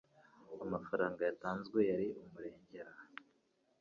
amafaranga yatanzwe yari umurengera